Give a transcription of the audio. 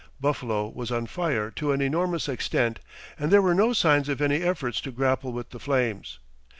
Buffalo was on fire to an enormous extent, and there were no signs of any efforts to grapple with the flames.